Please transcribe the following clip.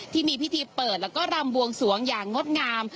ที่มีพิธีเปิดแล้วก็รำบวงสวงอย่างงดงาม